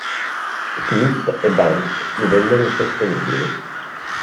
Smith e Banks divennero insostenibili.